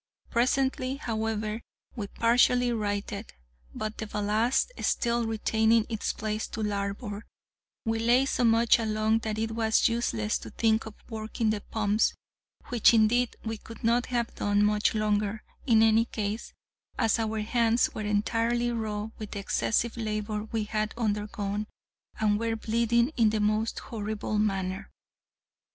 Presently, however, we partially righted; but the ballast still retaining its place to larboard, we lay so much along that it was useless to think of working the pumps, which indeed we could not have done much longer in any case, as our hands were entirely raw with the excessive labour we had undergone, and were bleeding in the most horrible manner.